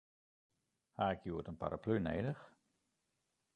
Ha ik hjoed in paraplu nedich?